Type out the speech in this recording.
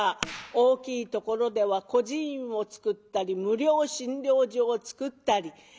大きいところでは孤児院をつくったり無料診療所をつくったり。